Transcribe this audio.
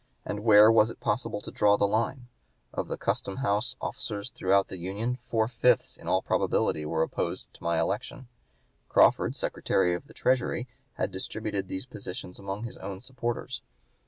And where was it possible to draw the line? (p. 180) Of the custom house officers throughout the Union, four fifths in all probability were opposed to my election. Crawford, Secretary of the Treasury, had distributed these positions among his own supporters.